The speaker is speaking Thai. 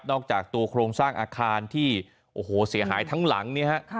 จากตัวโครงสร้างอาคารที่โอ้โหเสียหายทั้งหลังเนี่ยฮะ